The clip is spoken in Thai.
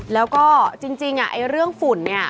แล้วก็จริงเรื่องฝุ่นเนี่ย